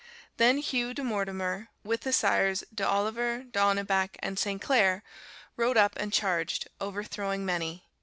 Then Hue de Mortemer, with the sires D'Auviler, D'Onebac, and St. Cler, rode up and charged, overthrowing many.